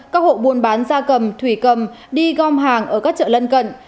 các hộ buôn bán gia cầm thủy cầm đi gom hàng ở các chợ lân cận